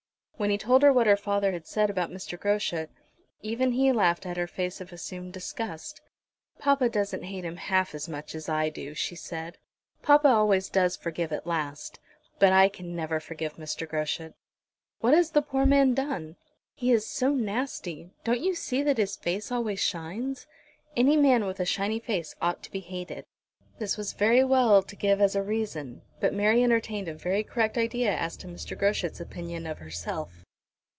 When he told her what her father had said about Mr. Groschut, even he laughed at her face of assumed disgust. "Papa doesn't hate him half as much as I do," she said. "Papa always does forgive at last, but I never can forgive Mr. Groschut." "What has the poor man done?" "He is so nasty! Don't you see that his face always shines. Any man with a shiny face ought to be hated." This was very well to give as a reason, but Mary entertained a very correct idea as to Mr. Groschut's opinion of herself.